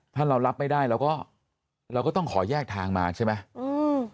ถ้าเรารับไม่ได้เราก็ต้องขอยากทางมาใช่ไหม